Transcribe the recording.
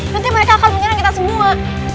nanti mereka akan mengirang kita semua